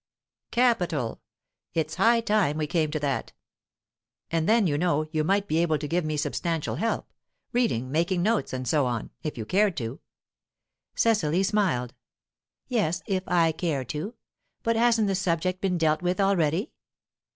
"Capital! It's high time we came to that. And then, you know, you might be able to give me substantial help reading, making notes, and so on if you cared to." Cecily smiled. "Yes, if I care to. But hasn't the subject been dealt with already?"